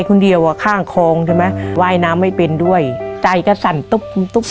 คนเดียวอ่ะข้างคลองใช่ไหมว่ายน้ำไม่เป็นด้วยใจก็สั่นตุ๊บตุ๊บ